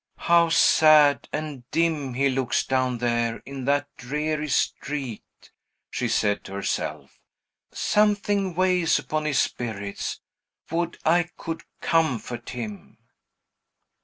"How sad and dim he looks, down there in that dreary street!" she said to herself. "Something weighs upon his spirits. Would I could comfort him!"